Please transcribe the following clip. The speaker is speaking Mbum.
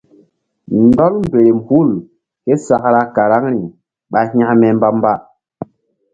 Ndɔl mberem hul ké sakra karaŋri ɓa hȩkme mbamba.